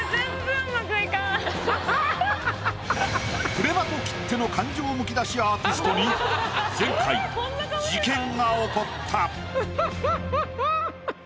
「プレバト」きっての感情むき出しアーティストに前回事件が起こった。